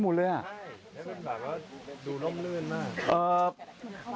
ใช่แล้วมันแบบว่าดูล้มเลื่อนมาก